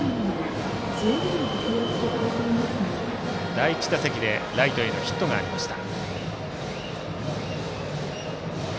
第１打席でライトへのヒットがありました。